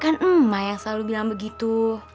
kan emak yang selalu bilang begitu